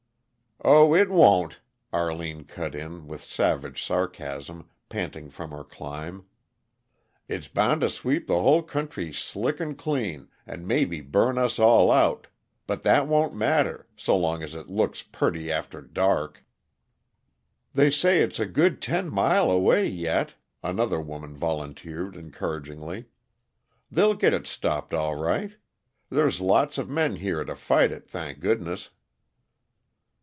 "Oh, it won't," Arline cut in, with savage sarcasm, panting from her climb. "It's bound to sweep the hull country slick an' clean, and maybe burn us all out but that won't matter, so long as it looks purty after dark!" "They say it's a good ten mile away yet," another woman volunteered encouragingly. "They'll git it stopped, all right. There's lots of men here to fight it, thank goodness!"